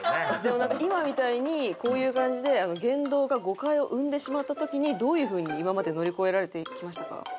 でもなんか今みたいにこういう感じで言動が誤解を生んでしまった時にどういうふうに今まで乗り越えられてきましたか？